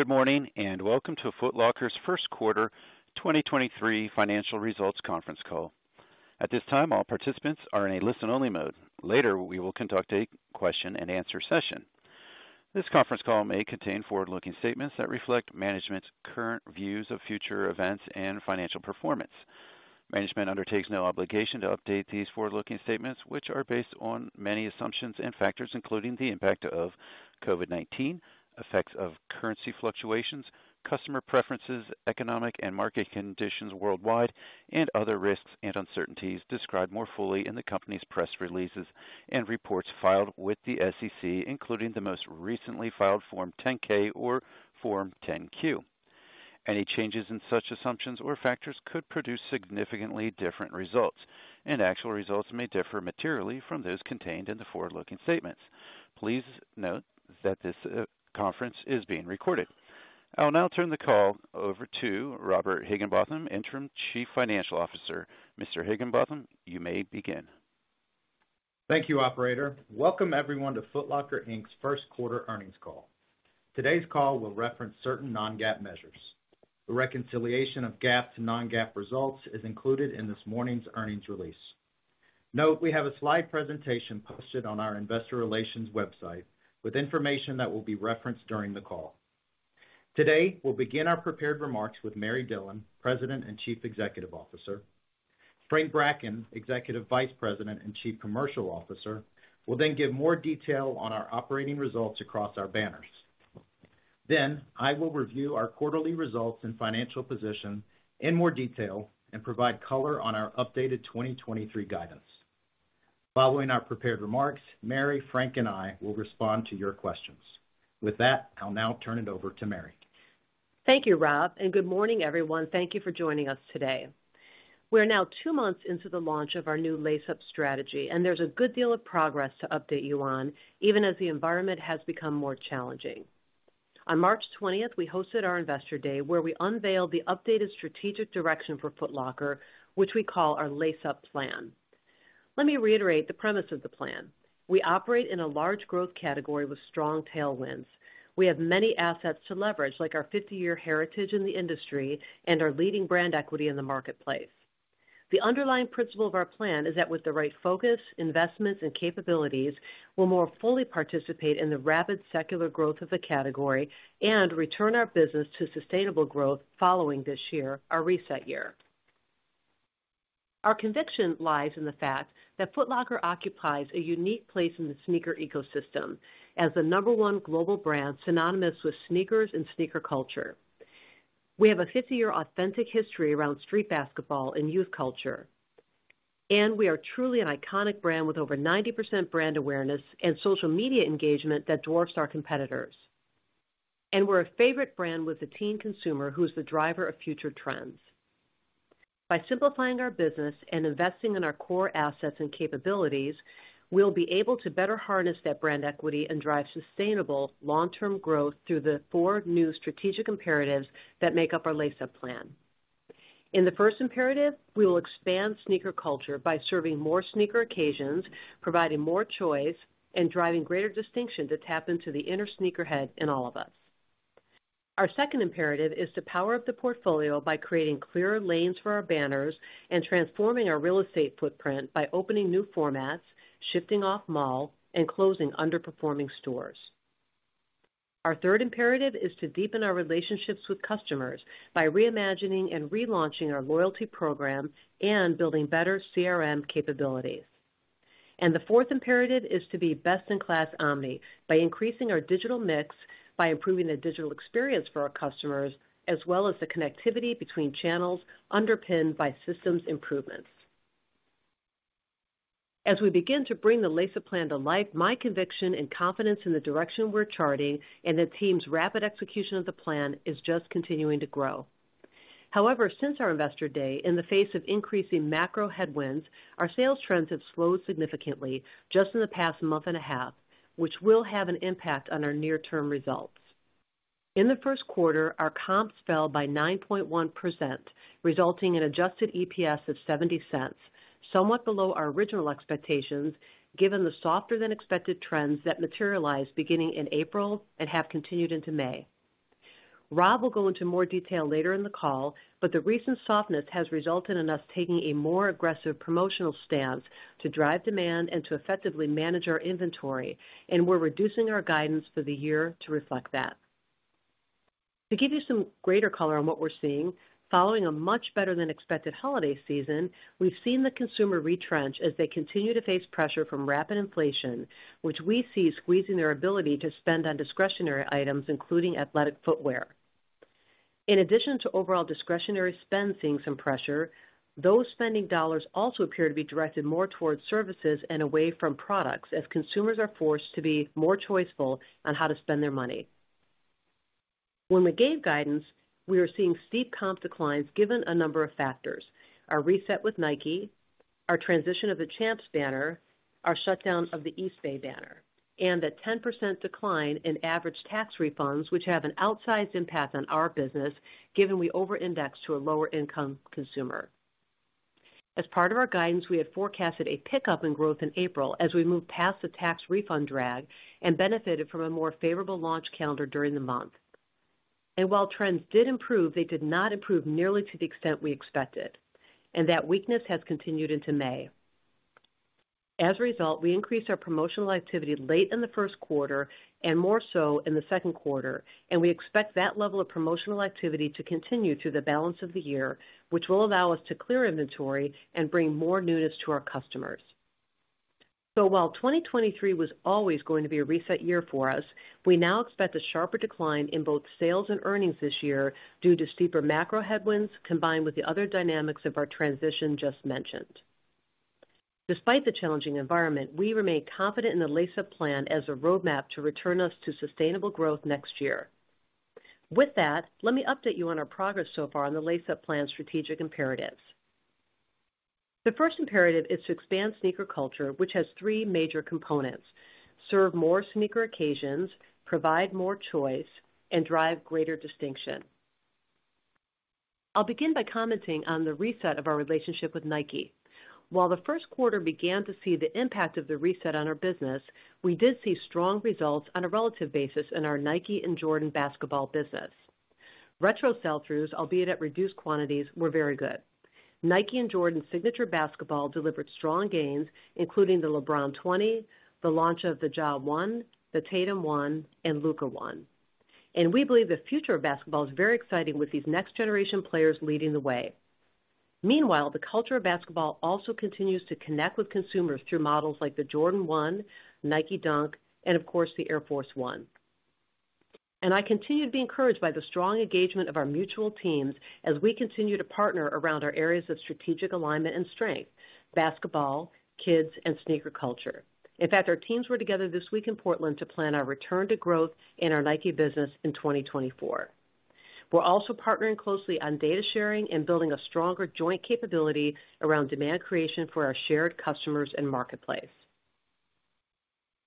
Good morning, and welcome to Foot Locker's Q1 2023 financial results conference call. At this time, all participants are in a listen-only mode. Later, we will conduct a question-and-answer session. This conference call may contain forward-looking statements that reflect management's current views of future events and financial performance. Management undertakes no obligation to update these forward-looking statements, which are based on many assumptions and factors, including the impact of COVID-19, effects of currency fluctuations, customer preferences, economic and market conditions worldwide, and other risks and uncertainties described more fully in the company's press releases and reports filed with the SEC, including the most recently filed Form 10-K or Form 10-Q. Any changes in such assumptions or factors could produce significantly different results, and actual results may differ materially from those contained in the forward-looking statements. Please note that this conference is being recorded. I will now turn the call over to Robert Higginbotham, Interim Chief Financial Officer. Mr. Higginbotham, you may begin. Thank you, operator. Welcome everyone to Foot Locker, Inc.'s Q1 earnings call. Today's call will reference certain non-GAAP measures. The reconciliation of GAAP to non-GAAP results is included in this morning's earnings release. Note we have a slide presentation posted on our investor relations website with information that will be referenced during the call. Today, we'll begin our prepared remarks with Mary Dillon, President and Chief Executive Officer. Frank Bracken, Executive Vice President and Chief Commercial Officer, will then give more detail on our operating results across our banners. I will review our quarterly results and financial position in more detail and provide color on our updated 2023 guidance. Following our prepared remarks, Mary, Frank, and I will respond to your questions. With that, I'll now turn it over to Mary. Thank you, Rob, and good morning, everyone. Thank you for joining us today. We are now two months into the launch of our new Lace Up Plan, and there's a good deal of progress to update you on, even as the environment has become more challenging. On March 20th, we hosted our Investor Day, where we unveiled the updated strategic direction for Foot Locker, which we call our Lace Up Plan. Let me reiterate the premise of the plan. We operate in a large growth category with strong tailwinds. We have many assets to leverage, like our 50-year heritage in the industry and our leading brand equity in the marketplace. The underlying principle of our plan is that with the right focus, investments, and capabilities, we'll more fully participate in the rapid secular growth of the category and return our business to sustainable growth following this year, our reset year. Our conviction lies in the fact that Foot Locker occupies a unique place in the sneaker ecosystem as the number one global brand synonymous with sneakers and sneaker culture. We have a 50-year authentic history around street basketball and youth culture, we are truly an iconic brand with over 90% brand awareness and social media engagement that dwarfs our competitors. We're a favorite brand with the teen consumer, who is the driver of future trends. By simplifying our business and investing in our core assets and capabilities, we'll be able to better harness that brand equity and drive sustainable long-term growth through the four new strategic imperatives that make up our Lace Up plan. In the first imperative, we will expand sneaker culture by serving more sneaker occasions, providing more choice, and driving greater distinction to tap into the inner sneakerhead in all of us. Our second imperative is to power up the portfolio by creating clearer lanes for our banners and transforming our real estate footprint by opening new formats, shifting off mall, and closing underperforming stores. Our third imperative is to deepen our relationships with customers by reimagining and relaunching our loyalty program and building better CRM capabilities. The fourth imperative is to be best-in-class omni by increasing our digital mix by improving the digital experience for our customers, as well as the connectivity between channels underpinned by systems improvements. As we begin to bring the Lace Up Plan to life, my conviction and confidence in the direction we're charting and the team's rapid execution of the plan is just continuing to grow. However, since our Investor Day, in the face of increasing macro headwinds, our sales trends have slowed significantly just in the past month and a half, which will have an impact on our near-term results. In the Q1, our comps fell by 9.1%, resulting in adjusted EPS of $0.70, somewhat below our original expectations, given the softer-than-expected trends that materialized beginning in April and have continued into May. Rob will go into more detail later in the call, but the recent softness has resulted in us taking a more aggressive promotional stance to drive demand and to effectively manage our inventory, and we're reducing our guidance for the year to reflect that. To give you some greater color on what we're seeing, following a much better than expected holiday season, we've seen the consumer retrench as they continue to face pressure from rapid inflation, which we see squeezing their ability to spend on discretionary items, including athletic footwear. In addition to overall discretionary spend seeing some pressure, those spending dollars also appear to be directed more towards services and away from products as consumers are forced to be more choiceful on how to spend their money. When we gave guidance, we were seeing steep comp declines given a number of factors: our reset with Nike, our transition of the Champs banner, our shutdown of the Eastbay banner, and a 10% decline in average tax refunds, which have an outsized impact on our business given we over-index to a lower-income consumer. As part of our guidance, we had forecasted a pickup in growth in April as we moved past the tax refund drag and benefited from a more favorable launch calendar during the month. While trends did improve, they did not improve nearly to the extent we expected, and that weakness has continued into May. As a result, we increased our promotional activity late in the Q1 and more so in the Q2. We expect that level of promotional activity to continue through the balance of the year, which will allow us to clear inventory and bring more newness to our customers. While 2023 was always going to be a reset year for us, we now expect a sharper decline in both sales and earnings this year due to steeper macro headwinds, combined with the other dynamics of our transition just mentioned. Despite the challenging environment, we remain confident in the Lace Up Plan as a roadmap to return us to sustainable growth next year. With that, let me update you on our progress so far on the Lace Up Plan strategic imperatives. The first imperative is to expand sneaker culture, which has three major components: serve more sneaker occasions, provide more choice, and drive greater distinction. I'll begin by commenting on the reset of our relationship with Nike. While the Q1 began to see the impact of the reset on our business, we did see strong results on a relative basis in our Nike and Jordan basketball business. Retro sell-throughs, albeit at reduced quantities, were very good. Nike and Jordan signature basketball delivered strong gains, including the LeBron 20, the launch of the Ja one, the Tatum one, and Luka one. We believe the future of basketball is very exciting with these next generation players leading the way. Meanwhile, the culture of basketball also continues to connect with consumers through models like the Jordan one, Nike Dunk, and of course, the Air Force one. I continue to be encouraged by the strong engagement of our mutual teams as we continue to partner around our areas of strategic alignment and strength, basketball, kids, and sneaker culture. In fact, our teams were together this week in Portland to plan our return to growth in our Nike business in 2024. We're also partnering closely on data sharing and building a stronger joint capability around demand creation for our shared customers and marketplace.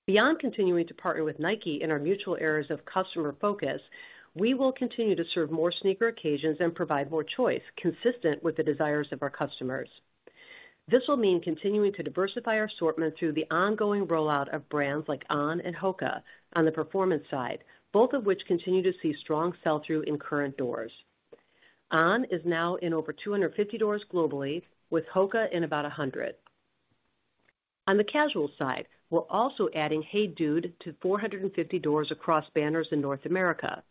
Beyond continuing to partner with Nike in our mutual areas of customer focus, we will continue to serve more sneaker occasions and provide more choice consistent with the desires of our customers. This will mean continuing to diversify our assortment through the ongoing rollout of brands like On and HOKA on the performance side, both of which continue to see strong sell-through in current doors. On is now in over 250 doors globally, with HOKA in about 100. The casual side, we're also adding HEYDUDE to 450 doors across banners in North America.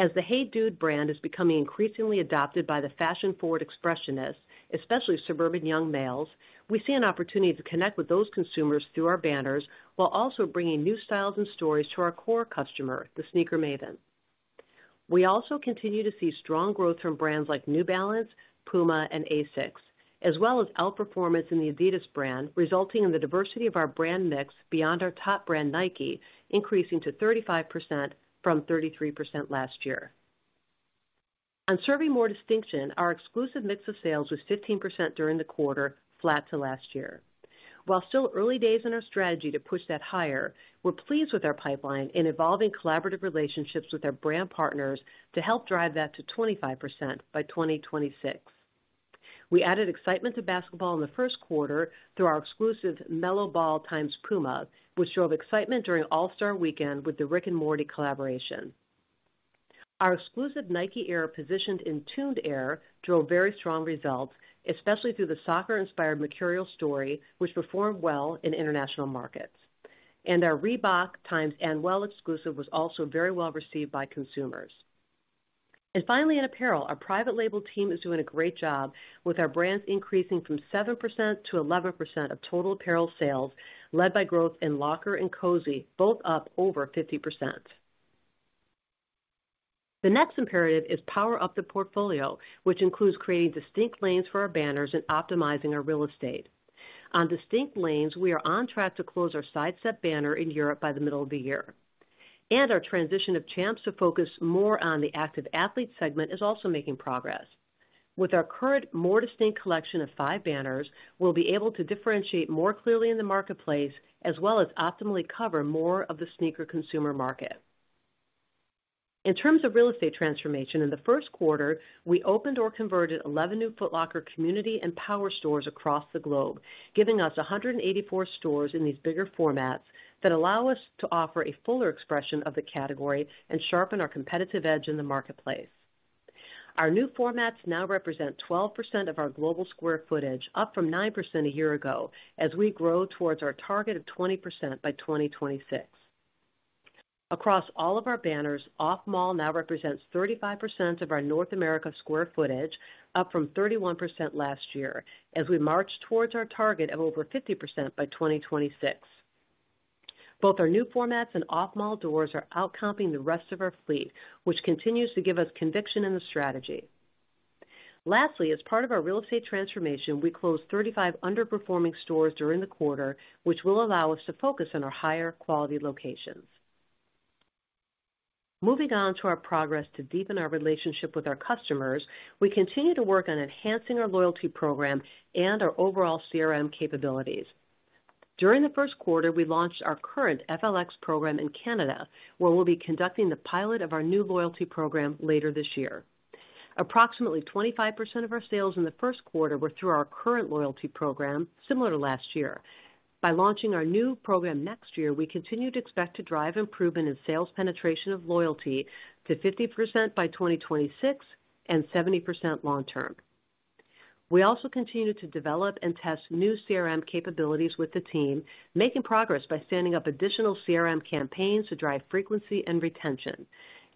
As the HEYDUDE brand is becoming increasingly adopted by the fashion-forward expressionists, especially suburban young males, we see an opportunity to connect with those consumers through our banners while also bringing new styles and stories to our core customer, the sneaker maven. We also continue to see strong growth from brands like New Balance, PUMA and ASICS, as well as outperformance in the adidas brand, resulting in the diversity of our brand mix beyond our top brand, Nike, increasing to 35% from 33% last year. Serving more distinction, our exclusive mix of sales was 15% during the quarter, flat to last year. While still early days in our strategy to push that higher, we're pleased with our pipeline in evolving collaborative relationships with our brand partners to help drive that to 25% by 2026. We added excitement to basketball in the 1st quarter through our exclusive LaMelo Ball times PUMA, which drove excitement during All-Star Weekend with the Rick and Morty collaboration. Our exclusive Nike Air, positioned in Tuned Air, drove very strong results, especially through the soccer-inspired material story, which performed well in international markets. Our Reebok times Anuel AA exclusive was also very well received by consumers. Finally, in apparel, our private label team is doing a great job with our brands increasing from 7% to 11% of total apparel sales, led by growth in LCKR and Cozy, both up over 50%. The next imperative is power up the portfolio, which includes creating distinct lanes for our banners and optimizing our real estate. On distinct lanes, we are on track to close our Sidestep banner in Europe by the middle of the year. Our transition of Champs to focus more on the active athlete segment is also making progress. With our current more distinct collection of 5 banners, we'll be able to differentiate more clearly in the marketplace, as well as optimally cover more of the sneaker consumer market. In terms of real estate transformation, in the Q1, we opened or converted 11 new Foot Locker community and power stores across the globe, giving us 184 stores in these bigger formats that allow us to offer a fuller expression of the category and sharpen our competitive edge in the marketplace. Our new formats now represent 12% of our global square footage, up from 9% a year ago, as we grow towards our target of 20% by 2026. Across all of our banners, off mall now represents 35% of our North America square footage, up from 31% last year, as we march towards our target of over 50% by 2026. Both our new formats and off mall doors are outcompeting the rest of our fleet, which continues to give us conviction in the strategy. Lastly, as part of our real estate transformation, we closed 35 underperforming stores during the quarter, which will allow us to focus on our higher quality locations. Moving on to our progress to deepen our relationship with our customers, we continue to work on enhancing our loyalty program and our overall CRM capabilities. During the Q1, we launched our current FLX program in Canada, where we'll be conducting the pilot of our new loyalty program later this year. Approximately 25% of our sales in the Q1 were through our current loyalty program, similar to last year. By launching our new program next year, we continue to expect to drive improvement in sales penetration of loyalty to 50% by 2026 and 70% long term. We also continue to develop and test new CRM capabilities with the team, making progress by standing up additional CRM campaigns to drive frequency and retention.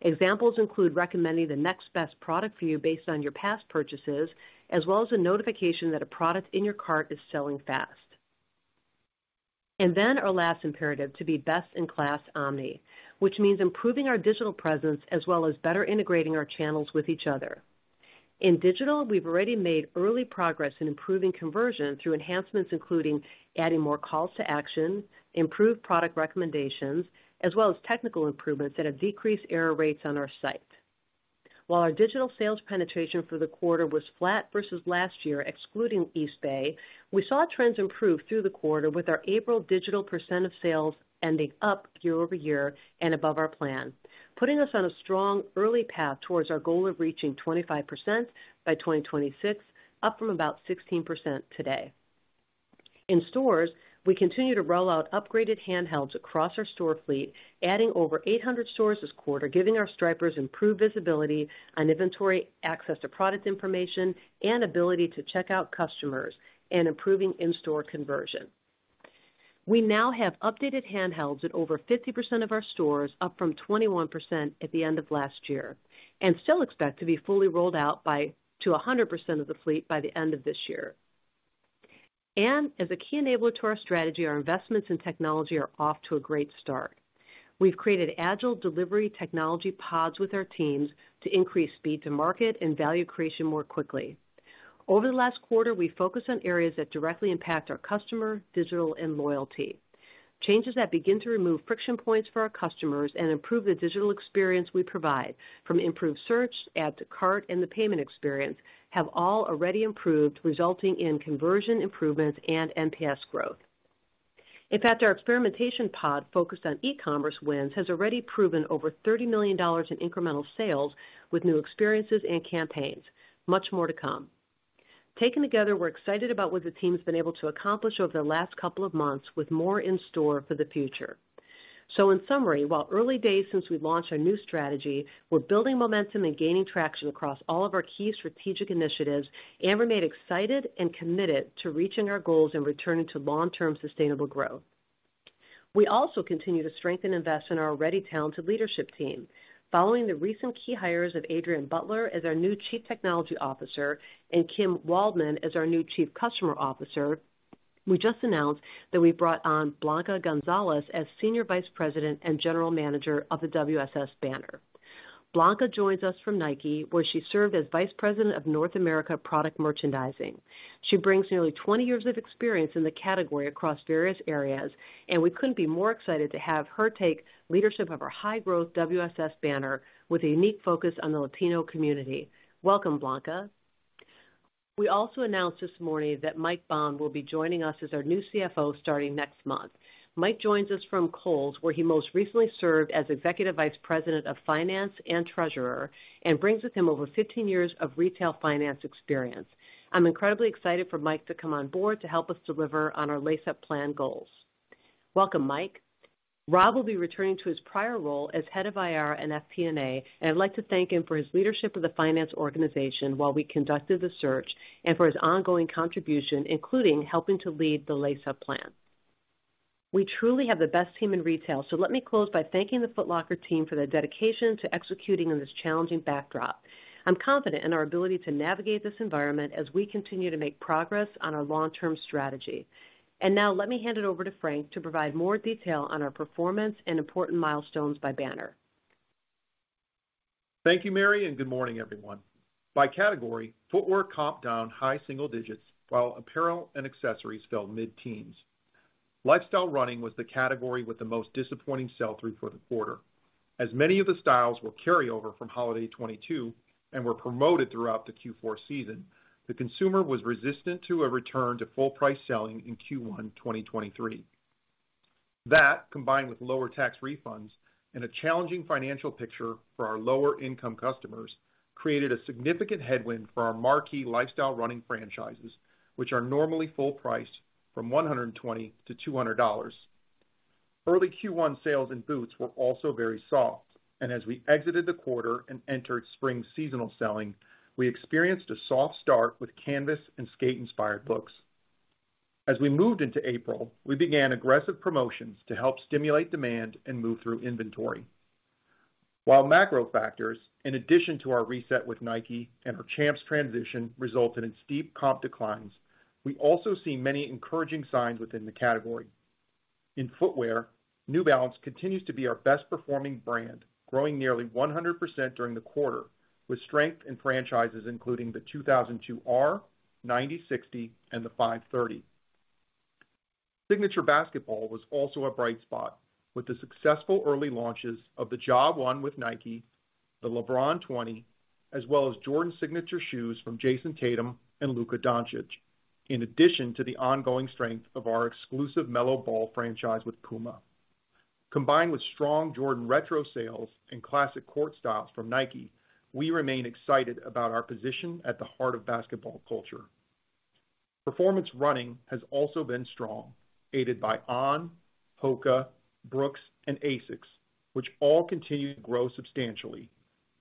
Examples include recommending the next best product for you based on your past purchases, as well as a notification that a product in your cart is selling fast. Our last imperative, to be best in class omni, which means improving our digital presence as well as better integrating our channels with each other. In digital, we've already made early progress in improving conversion through enhancements including adding more calls to action, improved product recommendations, as well as technical improvements that have decreased error rates on our site. While our digital sales penetration for the quarter was flat versus last year, excluding Eastbay, we saw trends improve through the quarter with our April digital percent of sales ending up quarter-over-quarter and above our plan, putting us on a strong early path towards our goal of reaching 25% by 2026, up from about 16% today. In stores, we continue to roll out upgraded handhelds across our store fleet, adding over 800 stores this quarter, giving our Stripers improved visibility on inventory, access to product information and ability to check out customers and improving in-store conversion. We now have updated handhelds at over 50% of our stores, up from 21% at the end of last year, and still expect to be fully rolled out to 100% of the fleet by the end of this year. As a key enabler to our strategy, our investments in technology are off to a great start. We've created agile delivery technology pods with our teams to increase speed to market and value creation more quickly. Over the last quarter, we focused on areas that directly impact our customer, digital and loyalty. Changes that begin to remove friction points for our customers and improve the digital experience we provide from improved search, add to cart and the payment experience have all already improved, resulting in conversion improvements and NPS growth. In fact, our experimentation pod focused on e-commerce wins has already proven over $30 million in incremental sales with new experiences and campaigns. Much more to come. Taken together, we're excited about what the team's been able to accomplish over the last couple of months with more in store for the future. In summary, while early days since we launched our new strategy, we're building momentum and gaining traction across all of our key strategic initiatives, and remain excited and committed to reaching our goals and returning to long-term sustainable growth. We also continue to strengthen invest in our already talented leadership team. Following the recent key hires of Adrian Butler as our new Chief Technology Officer and Kim Waldmann as our new Chief Customer Officer, we just announced that we brought on Blanca Gonzalez as Senior Vice President and General Manager of the WSS banner. Blanca joins us from Nike, where she served as vice president of North America Product Merchandising. She brings nearly 20 years of experience in the category across various areas, and we couldn't be more excited to have her take leadership of our high-growth WSS banner with a unique focus on the Latino community. Welcome, Blanca. We also announced this morning that Mike Baughn will be joining us as our new CFO starting next month. Mike joins us from Kohl's, where he most recently served as Executive Vice President of Finance and Treasurer, and brings with him over 15 years of retail finance experience. I'm incredibly excited for Mike to come on board to help us deliver on our Lace Up Plan goals. Welcome, Mike. Rob will be returning to his prior role as head of IR and FP&A, and I'd like to thank him for his leadership of the finance organization while we conducted the search and for his ongoing contribution, including helping to lead the Lace Up Plan. We truly have the best team in retail, so let me close by thanking the Foot Locker team for their dedication to executing in this challenging backdrop. I'm confident in our ability to navigate this environment as we continue to make progress on our long-term strategy. Now let me hand it over to Frank to provide more detail on our performance and important milestones by banner. Thank you, Mary, good morning, everyone. By category, footwear comp down high single digits, while apparel and accessories fell mid-teens. Lifestyle running was the category with the most disappointing sell-through for the quarter. Many of the styles were carryover from holiday 2022 and were promoted throughout the Q4 season, the consumer was resistant to a return to full price selling in Q1 2023. That, combined with lower tax refunds and a challenging financial picture for our lower-income customers, created a significant headwind for our marquee lifestyle running franchises, which are normally full priced from $120-$200. Early Q1 sales in boots were also very soft, as we exited the quarter and entered spring seasonal selling, we experienced a soft start with canvas and skate-inspired looks. As we moved into April, we began aggressive promotions to help stimulate demand and move through inventory. While macro factors, in addition to our reset with Nike and our Champs transition, resulted in steep comp declines, we also see many encouraging signs within the category. In footwear, New Balance continues to be our best performing brand, growing nearly 100% during the quarter, with strength in franchises including the 2002R, 9060, and the 530. Signature Basketball was also a bright spot with the successful early launches of the Ja 1 with Nike, the LeBron 20, as well as Jordan signature shoes from Jayson Tatum and Luka Dončić, in addition to the ongoing strength of our exclusive Melo ball franchise with PUMA. Combined with strong Jordan retro sales and classic court styles from Nike, we remain excited about our position at the heart of basketball culture. Performance running has also been strong, aided by On, Hoka, Brooks, and ASICS, which all continue to grow substantially,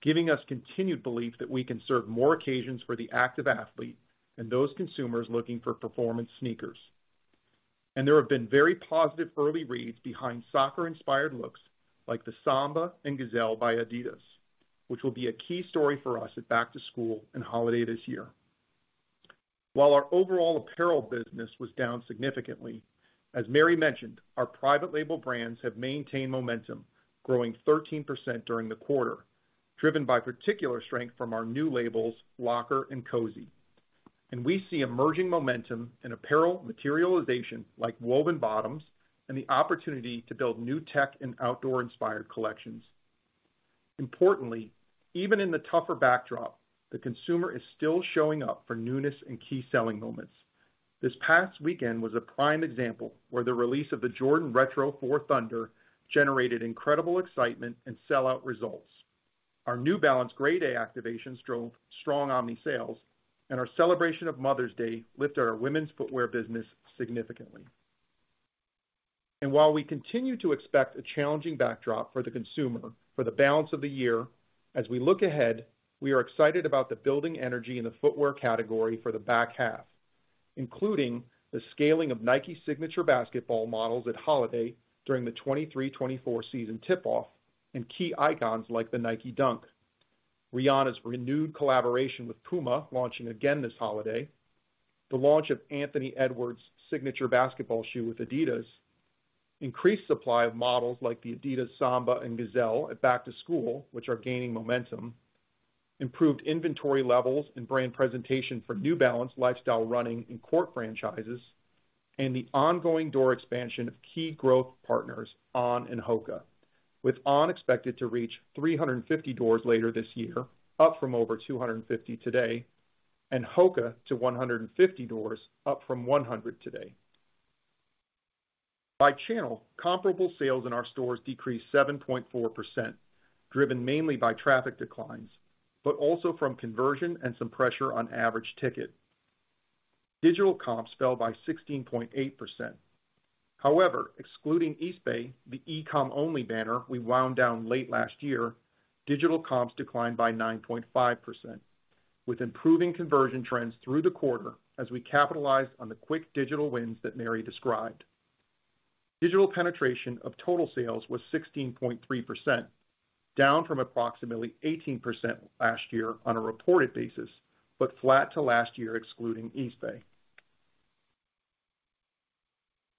giving us continued belief that we can serve more occasions for the active athlete and those consumers looking for performance sneakers. There have been very positive early reads behind soccer-inspired looks like the Samba and Gazelle by adidas, which will be a key story for us at back to school and holiday this year. While our overall apparel business was down significantly, as Mary mentioned, our private label brands have maintained momentum, growing 13% during the quarter, driven by particular strength from our new labels LCKR and Cozy. We see emerging momentum in apparel materialization like woven bottoms and the opportunity to build new tech and outdoor-inspired collections. Importantly, even in the tougher backdrop, the consumer is still showing up for newness and key selling moments. This past weekend was a prime example where the release of the Jordan Retro 4 Thunder generated incredible excitement and sellout results. Our New Balance Grade A activations drove strong omni sales, and our celebration of Mother's Day lifted our women's footwear business significantly. While we continue to expect a challenging backdrop for the consumer for the balance of the year, as we look ahead, we are excited about the building energy in the footwear category for the back half, including the scaling of Nike signature basketball models at holiday during the 2023, 2024 season tip-off and key icons like the Nike Dunk. Rihanna's renewed collaboration with PUMA launching again this holiday. The launch of Anthony Edwards' signature basketball shoe with adidas. Increased supply of models like the adidas Samba and Gazelle at Back to School, which are gaining momentum. Improved inventory levels and brand presentation for New Balance lifestyle running and court franchises, and the ongoing door expansion of key growth partners On and Hoka, with On expected to reach 350 doors later this year, up from over 250 today, and Hoka to 150 doors, up from 100 today. By channel, comparable sales in our stores decreased 7.4%, driven mainly by traffic declines, but also from conversion and some pressure on average ticket. Digital comps fell by 16.8%. However, excluding Eastbay, the e-com only banner we wound down late last year, digital comps declined by 9.5%, with improving conversion trends through the quarter as we capitalized on the quick digital wins that Mary described. Digital penetration of total sales was 16.3%, down from approximately 18% last year on a reported basis, flat to last year excluding Eastbay.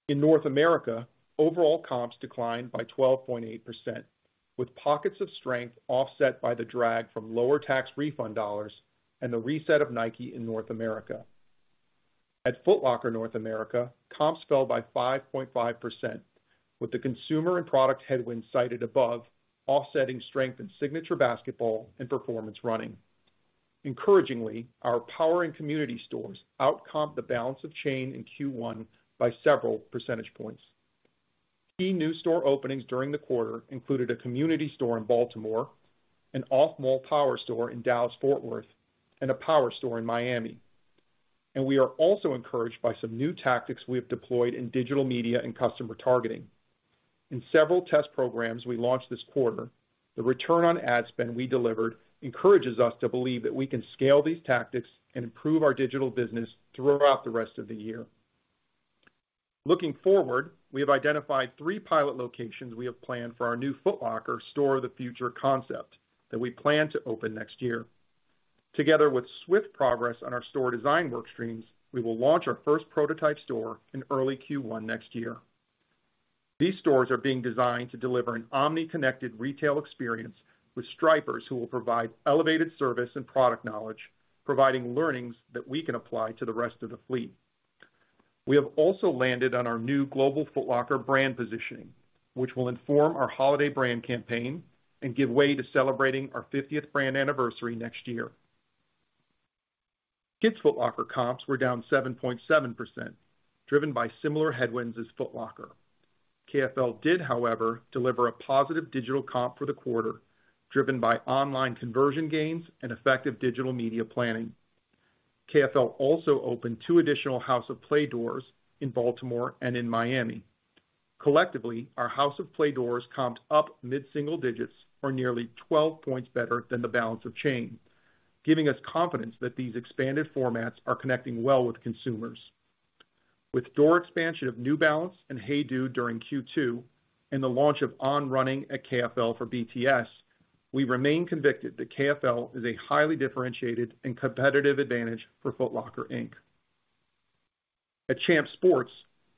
In North America, overall comps declined by 12.8%, with pockets of strength offset by the drag from lower tax refund dollars and the reset of Nike in North America. At Foot Locker North America, comps fell by 5.5%, with the consumer and product headwinds cited above offsetting strength in signature basketball and performance running. Encouragingly, our power and community stores outcomped the balance of chain in Q1 by several percentage points. Key new store openings during the quarter included a community store in Baltimore, an off-mall power store in Dallas-Fort Worth, and a power store in Miami. We are also encouraged by some new tactics we have deployed in digital media and customer targeting. In several test programs we launched this quarter, the return on ad spend we delivered encourages us to believe that we can scale these tactics and improve our digital business throughout the rest of the year. Looking forward, we have identified three pilot locations we have planned for our new Foot Locker store of the future concept that we plan to open next year. Together with swift progress on our store design work streams, we will launch our first prototype store in early Q1 next year. These stores are being designed to deliver an omni-connected retail experience with Stripers who will provide elevated service and product knowledge, providing learnings that we can apply to the rest of the fleet. We have also landed on our new global Foot Locker brand positioning, which will inform our holiday brand campaign and give way to celebrating our fiftieth brand anniversary next year. Kids Foot Locker comps were down 7.7%, driven by similar headwinds as Foot Locker. KFL did, however, deliver a positive digital comp for the quarter, driven by online conversion gains and effective digital media planning. KFL also opened two additional House of Play doors in Baltimore and in Miami. Collectively, our House of Play doors comped up mid-single digits or nearly 12 points better than the balance of chain, giving us confidence that these expanded formats are connecting well with consumers. With door expansion of New Balance and HEYDUDE during Q2 and the launch of On Running at KFL for BTS, we remain convicted that KFL is a highly differentiated and competitive advantage for Foot Locker, Inc. At Champs Sports,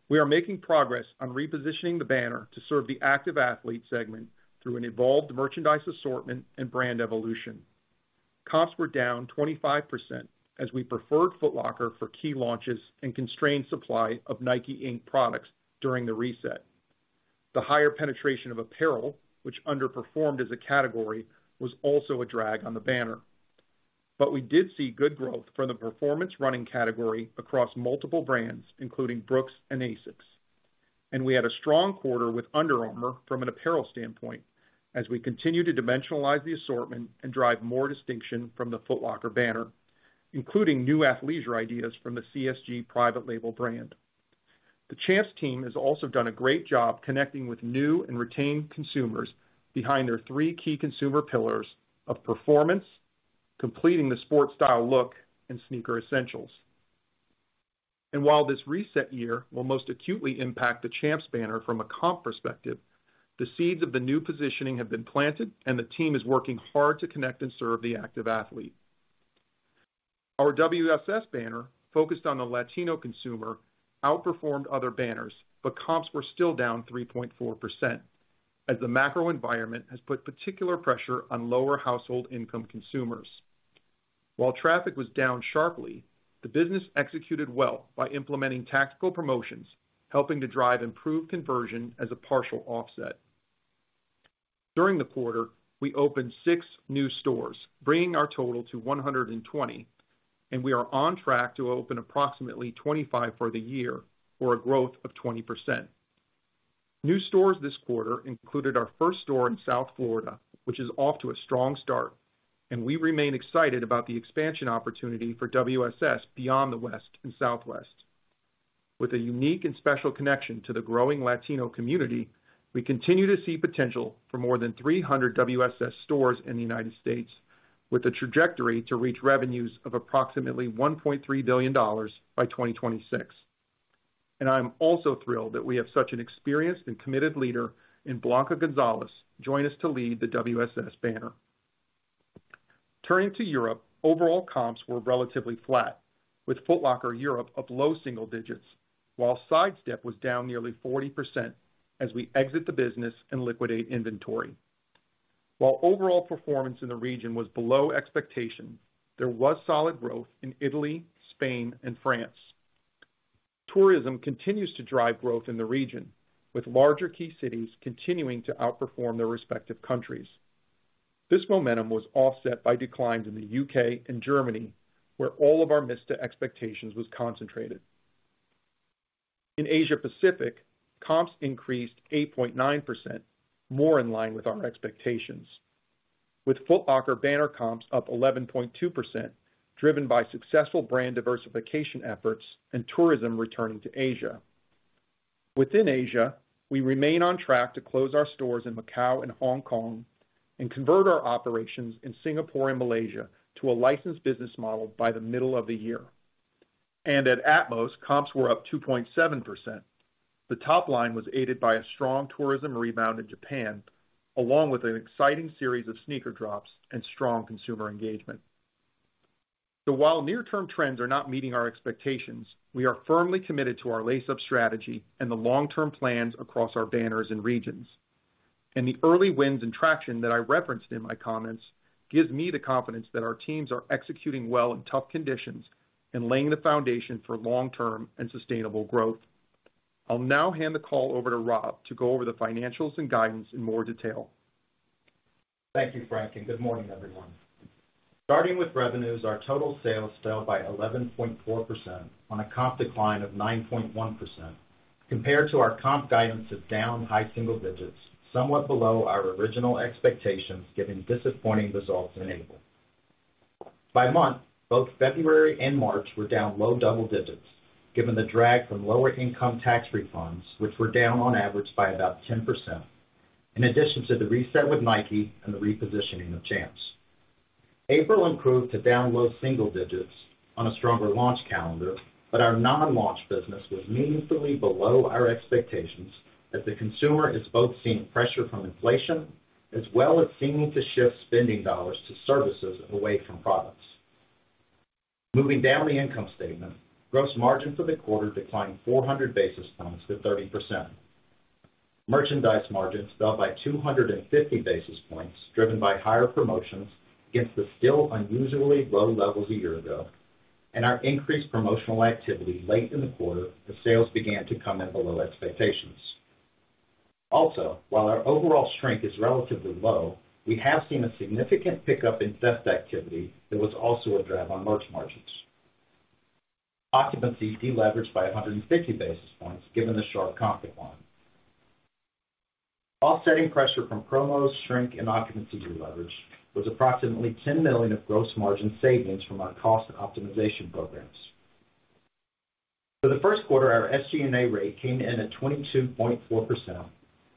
we are making progress on repositioning the banner to serve the active athlete segment through an evolved merchandise assortment and brand evolution. Comps were down 25% as we preferred Foot Locker for key launches and constrained supply of Nike Inc products during the reset. The higher penetration of apparel, which underperformed as a category, was also a drag on the banner. We did see good growth for the performance running category across multiple brands, including Brooks and ASICS. We had a strong quarter with Under Armour from an apparel standpoint as we continue to dimensionalize the assortment and drive more distinction from the Foot Locker banner, including new athleisure ideas from the CSG private label brand. The Champs team has also done a great job connecting with new and retained consumers behind their three key consumer pillars of performance, completing the sports style look, and sneaker essentials. While this reset year will most acutely impact the Champs banner from a comp perspective, the seeds of the new positioning have been planted, and the team is working hard to connect and serve the active athlete. Our WSS banner, focused on the Latino consumer, outperformed other banners, comps were still down 3.4%, as the macro environment has put particular pressure on lower household income consumers. While traffic was down sharply, the business executed well by implementing tactical promotions, helping to drive improved conversion as a partial offset. During the quarter, we opened 6 new stores, bringing our total to 120, and we are on track to open approximately 25 for the year, or a growth of 20%. New stores this quarter included our first store in South Florida, which is off to a strong start, and we remain excited about the expansion opportunity for WSS beyond the West and Southwest. With a unique and special connection to the growing Latino community, we continue to see potential for more than 300 WSS stores in the United States with a trajectory to reach revenues of approximately $1.3 billion by 2026. I'm also thrilled that we have such an experienced and committed leader in Blanca Gonzalez join us to lead the WSS banner. Turning to Europe, overall comps were relatively flat, with Foot Locker Europe up low single digits, while Sidestep was down nearly 40% as we exit the business and liquidate inventory. Overall performance in the region was below expectation, there was solid growth in Italy, Spain and France. Tourism continues to drive growth in the region, with larger key cities continuing to outperform their respective countries. This momentum was offset by declines in the U.K. and Germany, where all of our missed expectations was concentrated. In Asia Pacific, comps increased 8.9% more in line with our expectations, with Foot Locker banner comps up 11.2%, driven by successful brand diversification efforts and tourism returning to Asia. Within Asia, we remain on track to close our stores in Macau and Hong Kong and convert our operations in Singapore and Malaysia to a licensed business model by the middle of the year. At atmos, comps were up 2.7%. The top line was aided by a strong tourism rebound in Japan, along with an exciting series of sneaker drops and strong consumer engagement. While near-term trends are not meeting our expectations, we are firmly committed to our Lace Up strategy and the long-term plans across our banners and regions. The early wins and traction that I referenced in my comments gives me the confidence that our teams are executing well in tough conditions and laying the foundation for long-term and sustainable growth. I'll now hand the call over to Rob to go over the financials and guidance in more detail. Thank you, Frank, and good morning, everyone. Starting with revenues, our total sales fell by 11.4% on a comp decline of 9.1% compared to our comp guidance of down high single digits, somewhat below our original expectations, given disappointing results in April. By month, both February and March were down low double digits, given the drag from lower income tax refunds, which were down on average by about 10%, in addition to the reset with Nike and the repositioning of Champs. April improved to down low single digits on a stronger launch calendar, but our non-launch business was meaningfully below our expectations as the consumer is both seeing pressure from inflation, as well as seeming to shift spending dollars to services away from products. Moving down the income statement, gross margin for the quarter declined 400 basis points to 30%. Merchandise margins fell by 250 basis points, driven by higher promotions against the still unusually low levels a year ago and our increased promotional activity late in the quarter as sales began to come in below expectations. Also, while our overall shrink is relatively low, we have seen a significant pickup in theft activity that was also a drag on merch margins. Occupancy deleveraged by 150 basis points given the sharp comp decline. Offsetting pressure from promos, shrink and occupancy deleverage was approximately $10 million of gross margin savings from our cost and optimization programs. For the Q1, our SG&A rate came in at 22.4%,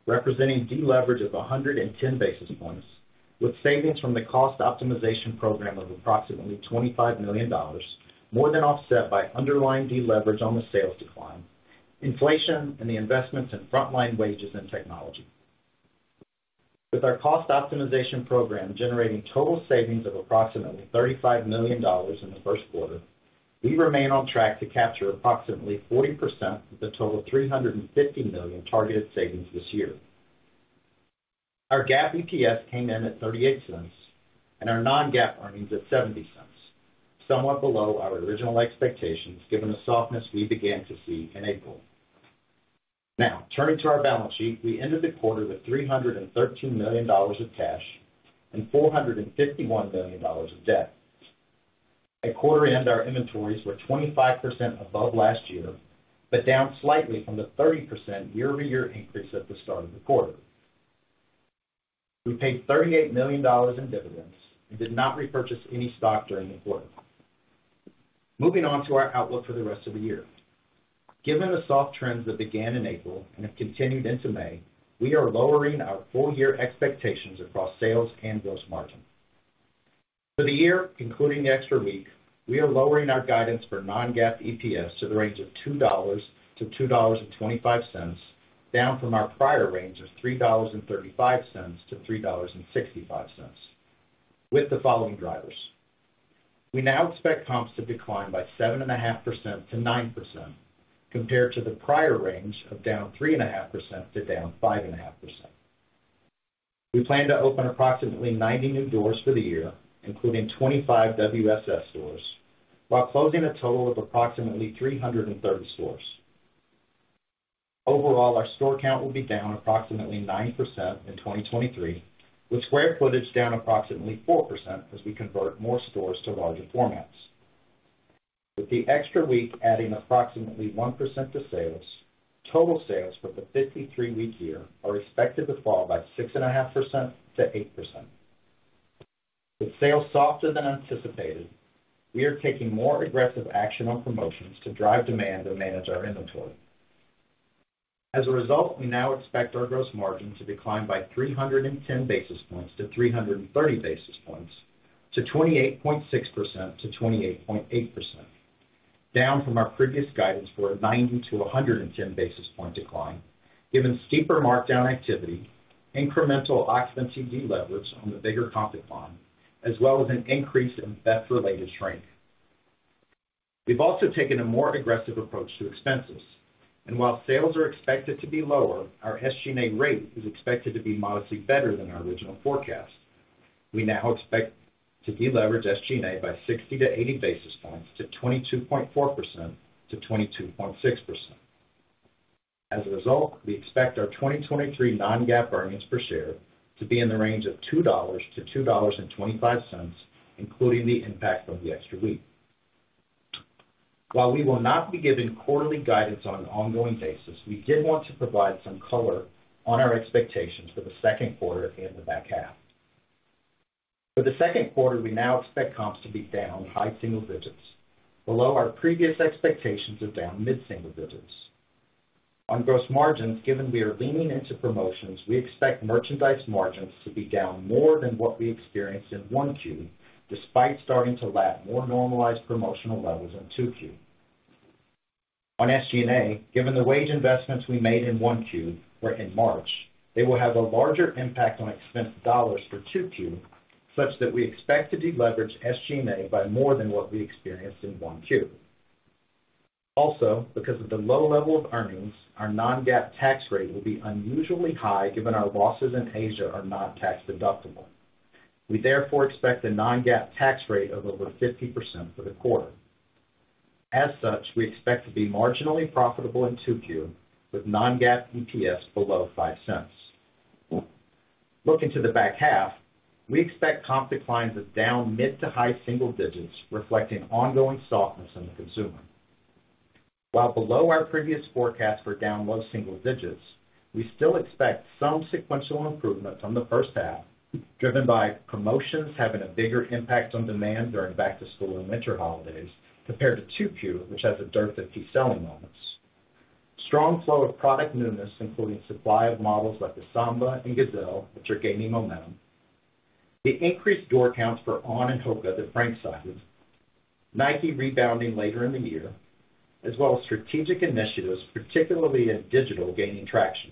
representing deleverage of 110 basis points with savings from the cost optimization program of approximately $25 million, more than offset by underlying deleverage on the sales decline, inflation, and the investments in frontline wages and technology. With our cost optimization program generating total savings of approximately $35 million in the Q1, we remain on track to capture approximately 40% of the total $350 million targeted savings this year. Our GAAP EPS came in at $0.38 and our non-GAAP earnings at $0.70, somewhat below our original expectations given the softness we began to see in April. Turning to our balance sheet. We ended the quarter with $313 million of cash and $451 million of debt. At quarter end, our inventories were 25% above last year, but down slightly from the 30% quarter-over-quarter increase at the start of the quarter. We paid $38 million in dividends and did not repurchase any stock during the quarter. Moving on to our outlook for the rest of the year. Given the soft trends that began in April and have continued into May, we are lowering our full year expectations across sales and gross margin. For the year, including the extra week, we are lowering our guidance for non-GAAP EPS to the range of $2-$2.25, down from our prior range of $3.35-$3.65 with the following drivers. We now expect comps to decline by 7.5%-9% compared to the prior range of down 3.5%-5.5%. We plan to open approximately 90 new doors for the year, including 25 WSS stores, while closing a total of approximately 330 stores. Overall, our store count will be down approximately 9% in 2023, with square footage down approximately 4% as we convert more stores to larger formats. With the extra week adding approximately 1% to sales, total sales for the 53-week year are expected to fall by 6.5%-8%. With sales softer than anticipated, we are taking more aggressive action on promotions to drive demand and manage our inventory. As a result, we now expect our gross margin to decline by 310 basis points to 330 basis points to 28.6%-28.8%, down from our previous guidance for a 90 to 110 basis point decline, given steeper markdown activity, incremental occupancy deleverage on the bigger comp decline, as well as an increase in theft-related shrink. We've also taken a more aggressive approach to expenses. While sales are expected to be lower, our SG&A rate is expected to be modestly better than our original forecast. We now expect to deleverage SG&A by 60 to 80 basis points to 22.4%-22.6%. As a result, we expect our 2023 non-GAAP earnings per share to be in the range of $2.00-$2.25, including the impact of the extra week. While we will not be giving quarterly guidance on an ongoing basis, we did want to provide some color on our expectations for the Q2 and the back half. For the Q2, we now expect comps to be down high single digits, below our previous expectations of down mid-single digits. On gross margins, given we are leaning into promotions, we expect merchandise margins to be down more than what we experienced in Q1, despite starting to lap more normalized promotional levels in Q2. On SG&A, given the wage investments we made in Q1 or in March, they will have a larger impact on expense dollars for Q2, such that we expect to deleverage SG&A by more than what we experienced in Q1. Because of the low level of earnings, our non-GAAP tax rate will be unusually high, given our losses in Asia are not tax-deductible. We therefore expect a non-GAAP tax rate of over 50% for the quarter. We expect to be marginally profitable in Q2 with non-GAAP EPS below $0.05. Looking to the back half, we expect comp declines of down mid- to high-single digits, reflecting ongoing softness in the consumer. While below our previous forecast for down low single digits, we still expect some sequential improvement from the H1, driven by promotions having a bigger impact on demand during back to school and winter holidays compared to Q2, which has a dearth of key selling moments. Strong flow of product newness, including supply of models like the Samba and Gazelle, which are gaining momentum. The increased door counts for On and HOKA, the frank sizes. Nike rebounding later in the year, as well as strategic initiatives, particularly in digital gaining traction.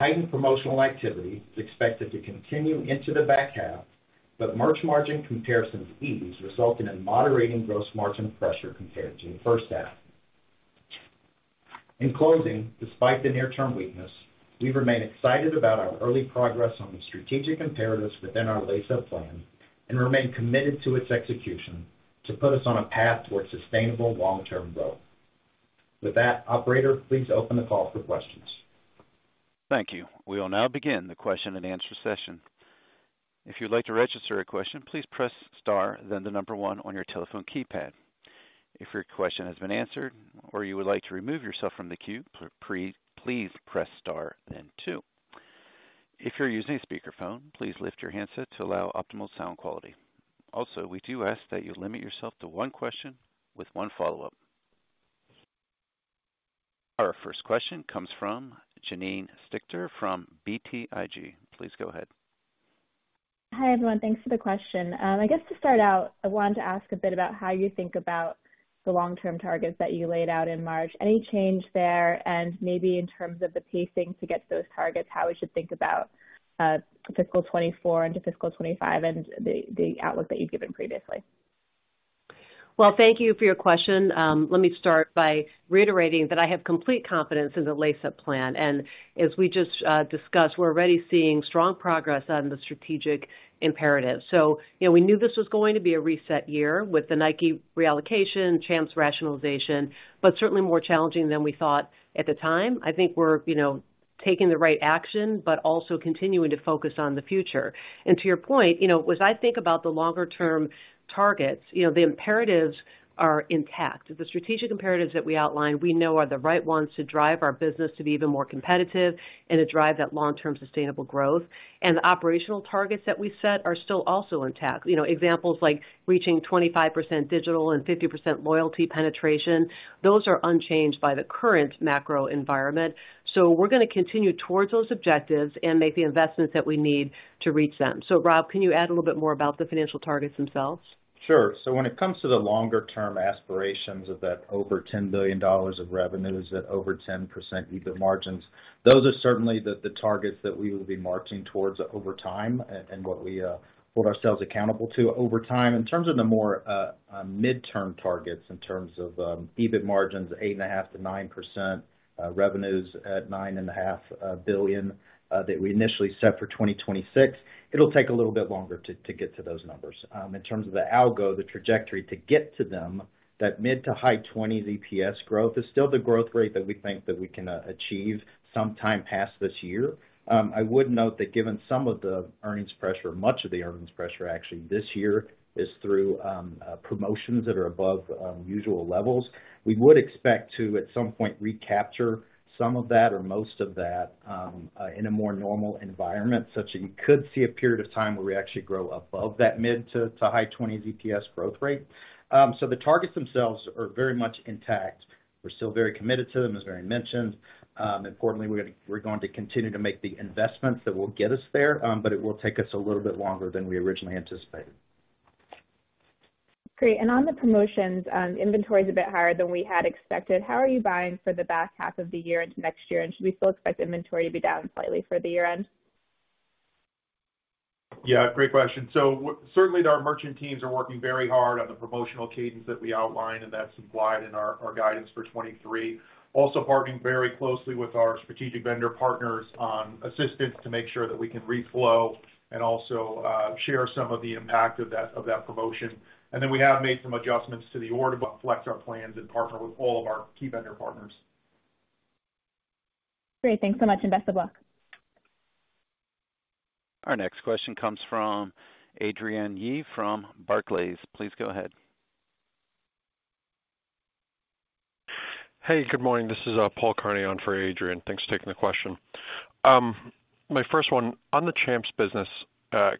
Heightened promotional activity is expected to continue into the back half, but merch margin comparisons ease resulting in moderating gross margin pressure compared to the H1. In closing, despite the near-term weakness, we remain excited about our early progress on the strategic imperatives within our Lace Up Plan and remain committed to its execution to put us on a path towards sustainable long-term growth. With that, operator, please open the call for questions. Thank you. We will now begin the question and answer session. If you'd like to register a question, please press star, then 1 on your telephone keypad. If your question has been answered or you would like to remove yourself from the queue, please press star then two. If you're using a speakerphone, please lift your handset to allow optimal sound quality. Also, we do ask that you limit yourself to one question with one follow-up. Our first question comes from Janine Stichter from BTIG. Please go ahead. Hi, everyone. Thanks for the question. I guess to start out, I wanted to ask a bit about how you think about the long-term targets that you laid out in March. Any change there? Maybe in terms of the pacing to get to those targets, how we should think about fiscal 24 into fiscal 25 and the outlook that you'd given previously. Well, thank you for your question. Let me start by reiterating that I have complete confidence in the Lace Up Plan. As we just discussed, we're already seeing strong progress on the strategic imperative. You know, we knew this was going to be a reset year with the Nike reallocation, Champs rationalization, but certainly more challenging than we thought at the time. I think we're, you know, taking the right action, but also continuing to focus on the future. To your point, you know, as I think about the longer term targets, you know, the imperatives are intact. The strategic imperatives that we outlined, we know are the right ones to drive our business to be even more competitive and to drive that long-term sustainable growth. The operational targets that we set are still also intact. You know, examples like reaching 25% digital and 50% loyalty penetration, those are unchanged by the current macro environment. We're going to continue towards those objectives and make the investments that we need to reach them. Rob, can you add a little bit more about the financial targets themselves? When it comes to the longer term aspirations of that over $10 billion of revenues at over 10% EBIT margins, those are certainly the targets that we will be marching towards over time and what we hold ourselves accountable to over time. In terms of the more midterm targets, in terms of EBIT margins, 8.5%-9%, revenues at $9.5 billion that we initially set for 2026, it'll take a little bit longer to get to those numbers. In terms of the algo, the trajectory to get to them, that mid to high 20s EPS growth is still the growth rate that we think that we can achieve some time past this year. I would note that given some of the earnings pressure, much of the earnings pressure actually this year is through promotions that are above usual levels. We would expect to, at some point, recapture some of that or most of that in a more normal environment, such that you could see a period of time where we actually grow above that mid to high 20s EPS growth rate. The targets themselves are very much intact. We're still very committed to them, as Mary mentioned. Importantly, we're going to continue to make the investments that will get us there, but it will take us a little bit longer than we originally anticipated. Great. On the promotions, inventory is a bit higher than we had expected. How are you buying for the back half of the year into next year? Should we still expect inventory to be down slightly for the year end? Yeah, great question. Certainly our merchant teams are working very hard on the promotional cadence that we outlined, and that's supplied in our guidance for 23. Also partnering very closely with our strategic vendor partners on assistance to make sure that we can reflow and also share some of the impact of that promotion. We have made some adjustments to the order flex our plans and partner with all of our key vendor partners. Great. Thanks so much, and best of luck. Our next question comes from Adrienne Yih from Barclays. Please go ahead. Hey, good morning. This is Paul Kearney on for Adrian. Thanks for taking the question. My first one, on the Champs business,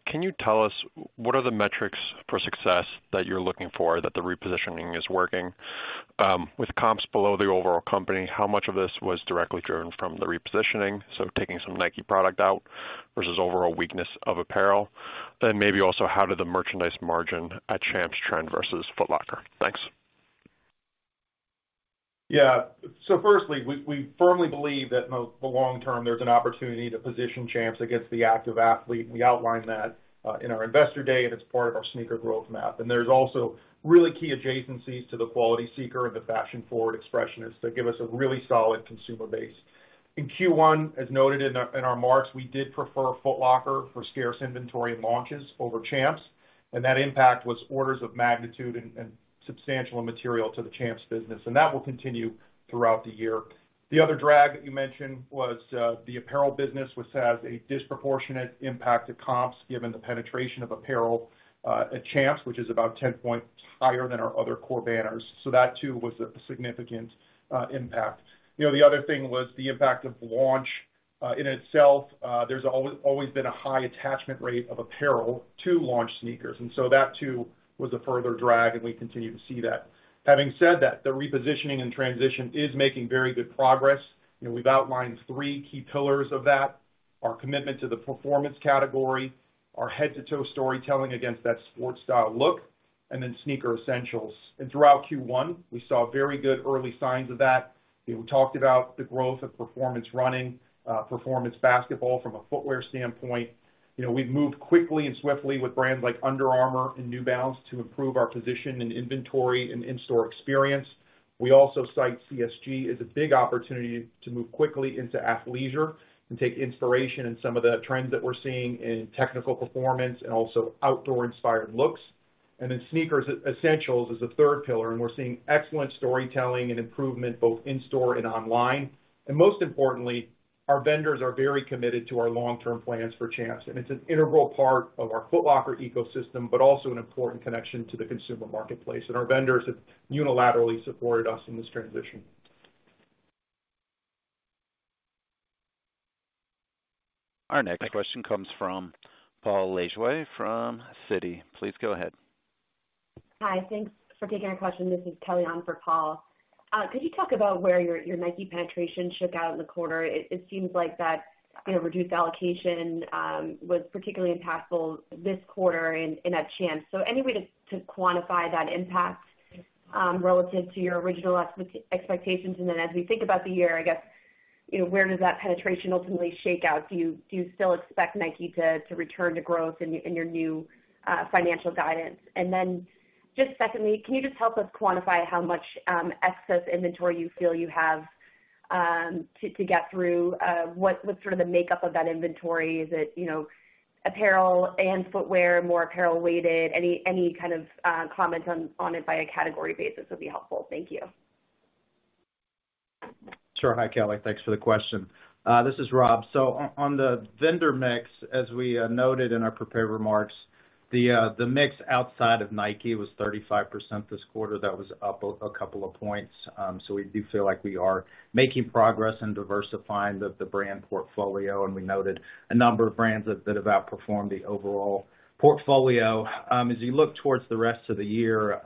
can you tell us what are the metrics for success that you're looking for that the repositioning is working? With comps below the overall company, how much of this was directly driven from the repositioning, so taking some Nike product out versus overall weakness of apparel? Maybe also, how did the merchandise margin at Champs trend versus Foot Locker? Thanks. Yeah. Firstly, we firmly believe that in the long term, there's an opportunity to position Champs against the active athlete. We outlined that in our investor day. It's part of our sneaker growth map. There's also really key adjacencies to the quality seeker and the fashion-forward expressionist that give us a really solid consumer base. In Q1, as noted in our marks, we did prefer Foot Locker for scarce inventory and launches over Champs, and that impact was orders of magnitude and substantial and material to the Champs business, and that will continue throughout the year. The other drag that you mentioned was the apparel business, which has a disproportionate impact to comps given the penetration of apparel at Champs, which is about 10 points higher than our other core banners. That too was a significant impact. You know, the other thing was the impact of launch. In itself, there's always been a high attachment rate of apparel to launch sneakers, and so that too was a further drag, and we continue to see that. Having said that, the repositioning and transition is making very good progress. You know, we've outlined three key pillars of that: our commitment to the performance category, our head-to-toe storytelling against that sports style look, and then sneaker essentials. Throughout Q1, we saw very good early signs of that. You know, we talked about the growth of performance running, performance basketball from a footwear standpoint. You know, we've moved quickly and swiftly with brands like Under Armour and New Balance to improve our position in inventory and in-store experience. We also cite CSG as a big opportunity to move quickly into athleisure and take inspiration in some of the trends that we're seeing in technical performance and also outdoor inspired looks. Sneakers essentials is a third pillar, and we're seeing excellent storytelling and improvement both in-store and online. Most importantly, our vendors are very committed to our long-term plans for Champs Sports, and it's an integral part of our Foot Locker ecosystem, but also an important connection to the consumer marketplace. Our vendors have unilaterally supported us in this transition. Our next question comes from Paul Lejuez from Citi. Please go ahead. Hi. Thanks for taking our question. This is Kelly on for Paul. Could you talk about where your Nike penetration shook out in the quarter? It seems like that, you know, reduced allocation was particularly impactful this quarter in that Champs. Any way to quantify that impact relative to your original expectations? As we think about the year, I guess. You know, where does that penetration ultimately shake out? Do you still expect Nike to return to growth in your new financial guidance? Just secondly, can you just help us quantify how much excess inventory you feel you have to get through? What's sort of the makeup of that inventory? Is it, you know, apparel and footwear, more apparel weighted? Any kind of comment on it by a category basis would be helpful. Thank you. Sure. Hi, Kelly. Thanks for the question. This is Rob. On the vendor mix, as we noted in our prepared remarks, the mix outside of Nike was 35% this quarter. That was up a couple of points. We do feel like we are making progress in diversifying the brand portfolio, and we noted a number of brands that have outperformed the overall portfolio. As you look towards the rest of the year,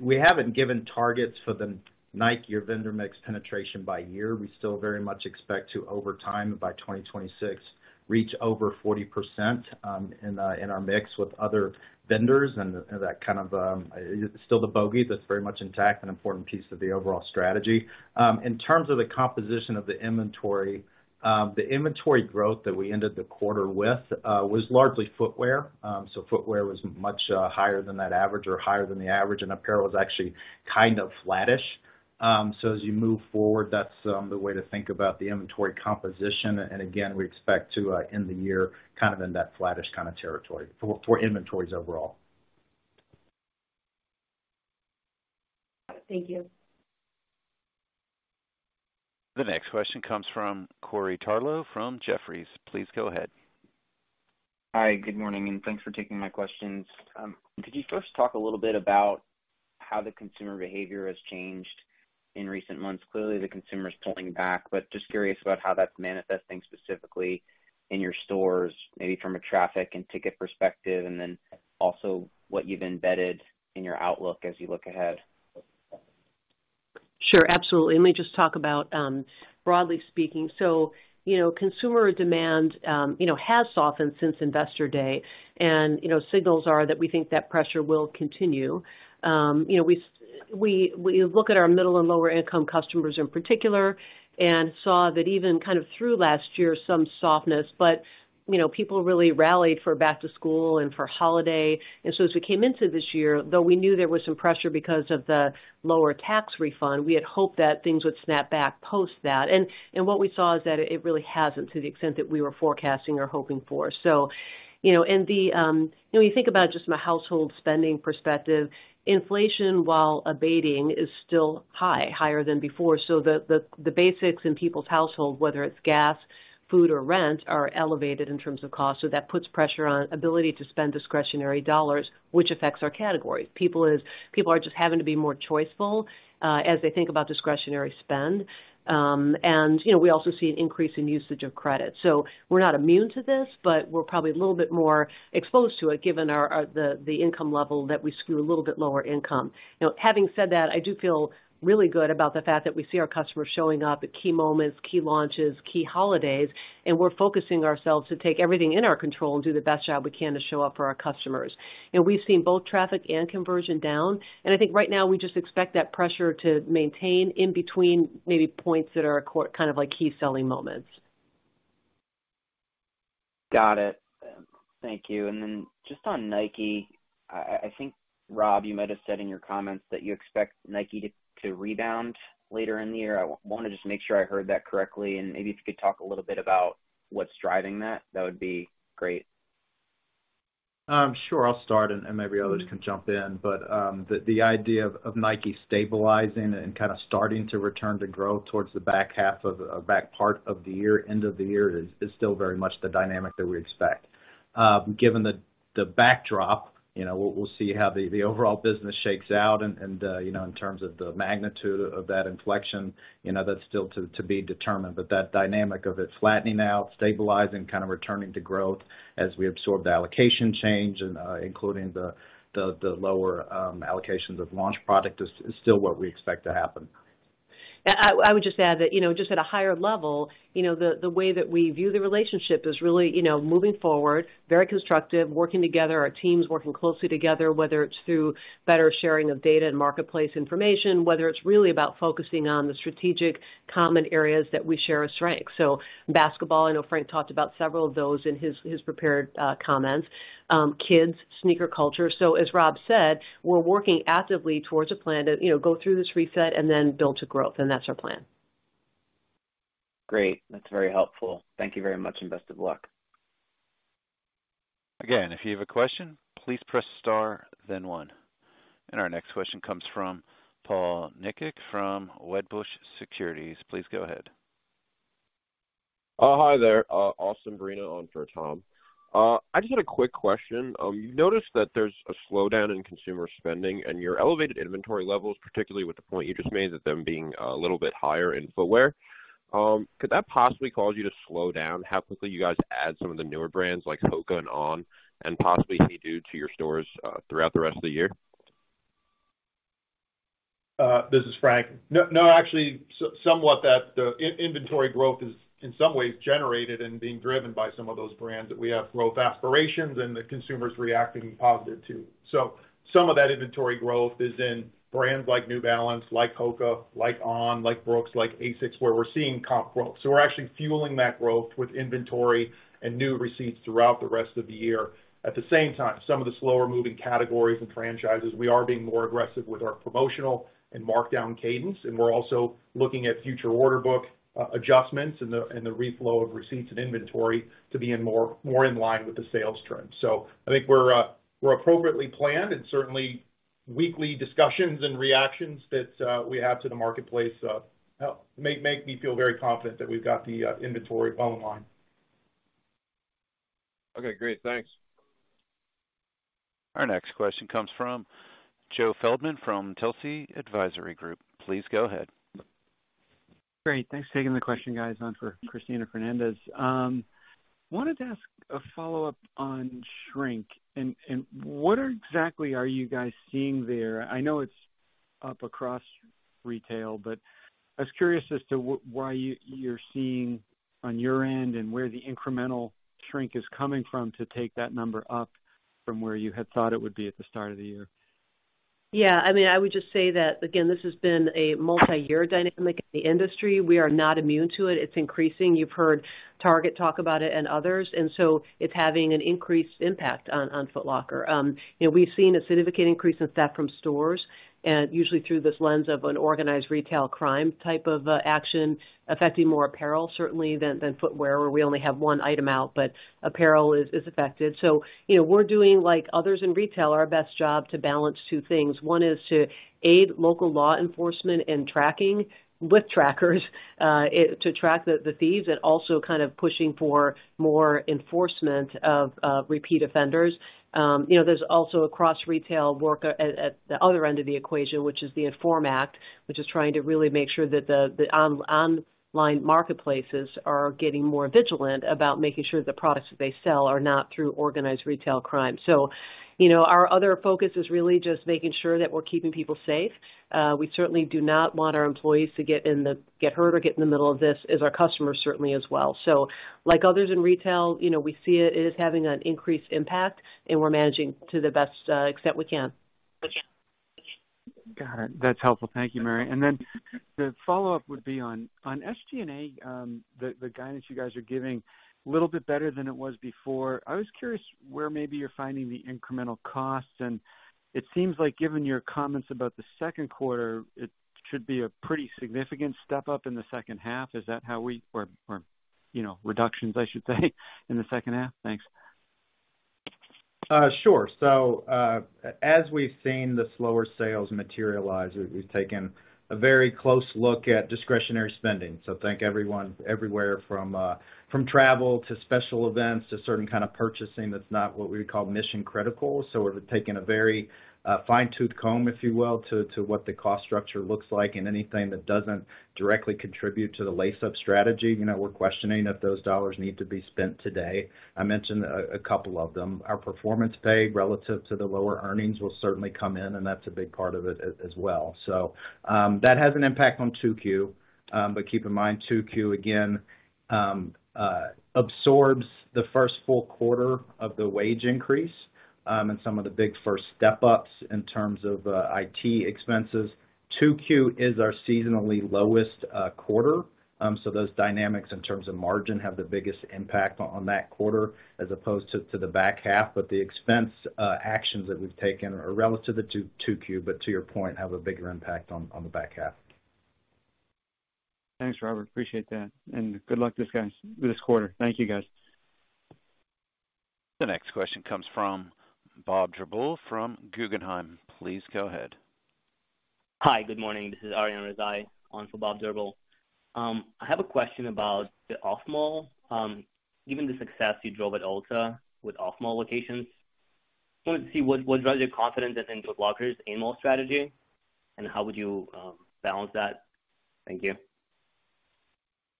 we haven't given targets for the Nike or vendor mix penetration by year. We still very much expect to, over time, by 2026, reach over 40% in our mix with other vendors and that kind of still the bogey that's very much intact, an important piece of the overall strategy. In terms of the composition of the inventory, the inventory growth that we ended the quarter with, was largely footwear. Footwear was much higher than that average or higher than the average, and apparel was actually kind of flattish. As you move forward, that's the way to think about the inventory composition. Again, we expect to end the year kind of in that flattish kinda territory for inventories overall. Thank you. The next question comes from Corey Tarlowe from Jefferies. Please go ahead. Hi, good morning, and thanks for taking my questions. Could you first talk a little bit about how the consumer behavior has changed in recent months? Clearly, the consumer is pulling back, but just curious about how that's manifesting specifically in your stores, maybe from a traffic and ticket perspective, and then also what you've embedded in your outlook as you look ahead. Sure, absolutely. Let me just talk about broadly speaking. You know, consumer demand, you know, has softened since Investor Day. You know, signals are that we think that pressure will continue. You know, we look at our middle and lower income customers in particular and saw that even kind of through last year, some softness, but, you know, people really rallied for back to school and for holiday. As we came into this year, though we knew there was some pressure because of the lower tax refund, we had hoped that things would snap back post that. What we saw is that it really hasn't to the extent that we were forecasting or hoping for. You know, and the, you know, when you think about just from a household spending perspective, inflation, while abating, is still high, higher than before. The, the basics in people's household, whether it's gas, food, or rent, are elevated in terms of cost. That puts pressure on ability to spend discretionary dollars, which affects our category. People are just having to be more choiceful, as they think about discretionary spend. And, you know, we also see an increase in usage of credit. We're not immune to this, but we're probably a little bit more exposed to it, given our, the income level that we skew a little bit lower income. You know, having said that, I do feel really good about the fact that we see our customers showing up at key moments, key launches, key holidays, and we're focusing ourselves to take everything in our control and do the best job we can to show up for our customers. You know, we've seen both traffic and conversion down, and I think right now we just expect that pressure to maintain in between maybe points that are kind of like key selling moments. Got it. Thank you. Just on Nike, I think, Rob, you might have said in your comments that you expect Nike to rebound later in the year. I want to just make sure I heard that correctly, and maybe if you could talk a little bit about what's driving that would be great. Sure. I'll start, and maybe others can jump in. The idea of Nike stabilizing and kind of starting to return to growth towards the back half or back part of the year, end of the year is still very much the dynamic that we expect. Given the backdrop, you know, we'll see how the overall business shakes out and, you know, in terms of the magnitude of that inflection, you know, that's still to be determined. That dynamic of it flattening out, stabilizing, kind of returning to growth as we absorb the allocation change, including the lower allocations of launch product is still what we expect to happen. Yeah. I would just add that, you know, just at a higher level, you know, the way that we view the relationship is really, you know, moving forward, very constructive, working together. Our team's working closely together, whether it's through better sharing of data and marketplace information, whether it's really about focusing on the strategic common areas that we share as strength. Basketball, I know Frank talked about several of those in his prepared comments. Kids, sneaker culture. As Rob said, we're working actively towards a plan to, you know, go through this reset and then build to growth, and that's our plan. Great. That's very helpful. Thank you very much, and best of luck. Again, if you have a question, please press star then one. Our next question comes from Tom Nikic from Wedbush Securities. Please go ahead. Hi there, Austin Moreno on for Tom. I just had a quick question. You've noticed that there's a slowdown in consumer spending and your elevated inventory levels, particularly with the point you just made, that them being a little bit higher in footwear. Could that possibly cause you to slow down how quickly you guys add some of the newer brands like HOKA and On and possibly any HEYDUDE to your stores throughout the rest of the year? This is Frank. Actually, somewhat that the inventory growth is in some ways generated and being driven by some of those brands that we have growth aspirations and the consumers reacting positive to. Some of that inventory growth is in brands like New Balance, like HOKA, like On, like Brooks, like ASICS, where we're seeing comp growth. We're actually fueling that growth with inventory and new receipts throughout the rest of the year. At the same time, some of the slower moving categories and franchises, we are being more aggressive with our promotional and markdown cadence, and we're also looking at future order book adjustments and the reflow of receipts and inventory to be in more in line with the sales trends. I think we're appropriately planned and certainly weekly discussions and reactions that we have to the marketplace, make me feel very confident that we've got the inventory bottom line. Okay, great. Thanks. Our next question comes from Joe Feldman from Telsey Advisory Group. Please go ahead. Great. Thanks for taking the question, guys, on for Cristina Fernandez. wanted to ask a follow-up on shrink and what exactly are you guys seeing there? I know it's up across retail, but I was curious as to why you're seeing on your end and where the incremental shrink is coming from to take that number up from where you had thought it would be at the start of the year. I mean, I would just say that, again, this has been a multi-year dynamic in the industry. We are not immune to it. It's increasing. You've heard Target talk about it and others. It's having an increased impact on Foot Locker. You know, we've seen a significant increase in theft from stores and usually through this lens of an organized retail crime type of action affecting more apparel certainly than footwear, where we only have 1 item out, but apparel is affected. You know, we're doing like others in retail, our best job to balance 2 things. One is to aid local law enforcement in tracking with trackers to track the thieves and also kind of pushing for more enforcement of repeat offenders. You know, there's also across retail work at the other end of the equation, which is the INFORM Act, which is trying to really make sure that the online marketplaces are getting more vigilant about making sure the products that they sell are not through organized retail crime. You know, our other focus is really just making sure that we're keeping people safe. We certainly do not want our employees to get hurt or get in the middle of this, as our customers certainly as well. Like others in retail, you know, we see it as having an increased impact and we're managing to the best extent we can. Got it. That's helpful. Thank you, Mary. The follow-up would be on SG&A, the guidance you guys are giving a little bit better than it was before. I was curious where maybe you're finding the incremental costs, and it seems like given your comments about the Q2, it should be a pretty significant step up in the H2. Is that how we or, you know, reductions, I should say in the H2? Thanks. As we've seen the slower sales materialize, we've taken a very close look at discretionary spending. Think everyone, everywhere from travel to special events to certain kind of purchasing, that's not what we would call mission critical. We're taking a very fine-tooth comb, if you will, to what the cost structure looks like and anything that doesn't directly contribute to the Lace Up strategy. You know, we're questioning if those dollars need to be spent today. I mentioned a couple of them. Our performance pay relative to the lower earnings will certainly come in, and that's a big part of it as well. That has an impact on Q2. nd, Q2, again, absorbs the first full quarter of the wage increase and some of the big first step-ups in terms of IT expenses. Q2 is our seasonally lowest quarter. So those dynamics in terms of margin have the biggest impact on that quarter as opposed to the back half. But the expense actions that we've taken are relative to Q2, but to your point, have a bigger impact on the back half. Thanks, Robert. Appreciate that and good luck this guys, this quarter. Thank you, guys. The next question comes from Bob Drbul from Guggenheim. Please go ahead. Hi, good morning. This is Arian Razai on for Bob Drbul. I have a question about the off mall. Given the success you drove at Ulta with off mall locations, I wanted to see what drives your confidence in Foot Locker's in mall strategy, and how would you balance that? Thank you.